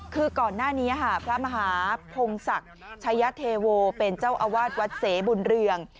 คือก่อนหน้านี้พระมหาพงศักดิ์ชายเทโวเป็นเจ้าอาวาสวัดเสบุญเรือง